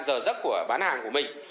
giờ giấc của bán hàng của mình